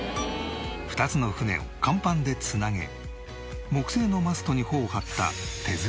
２つの船を甲板で繋げ木製のマストに帆を張った手作りヨット。